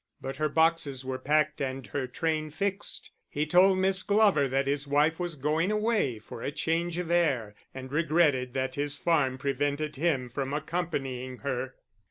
But her boxes were packed and her train fixed; he told Miss Glover that his wife was going away for a change of air, and regretted that his farm prevented him from accompanying her.